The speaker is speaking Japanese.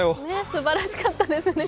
すばらしかったですね